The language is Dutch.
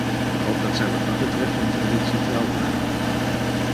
Ik hoop dat zij wat dat betreft hun traditie trouw blijven.